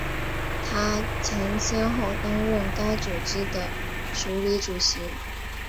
她曾先后担任该组织的署理主席。